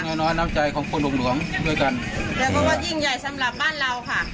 น้อยน้อยน้ำใจของคนหลวงหลวงด้วยกันแล้วก็ว่ายิ่งใหญ่สำหรับบ้านเราค่ะ